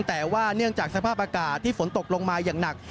แต่ว่าเนื่องจากสภาพอากาศที่ฝนตกลงมาอย่างหนัก